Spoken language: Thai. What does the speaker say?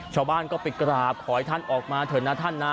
ชาวบ้านก็ไปกราบขอให้ท่านออกมาเถอะนะท่านนะ